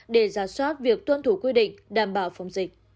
để giả soát việc tuân thủ quy định đảm bảo phòng dịch